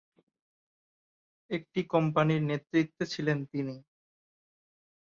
একটি কোম্পানির নেতৃত্বে ছিলেন তিনি।